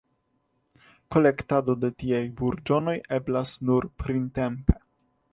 Kolektado de tiaj burĝonoj eblas nur printempe.